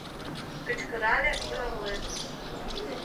Кычкырале юарлен: